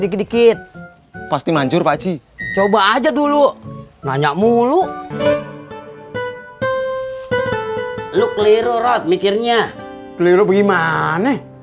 dikit dikit pasti manjur pak ji coba aja dulu nanya mulu lu keliru rot mikirnya peluru gimana